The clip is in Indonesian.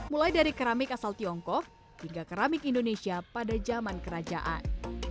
mulai dari keramik asal tiongkok hingga keramik indonesia pada zaman kerajaan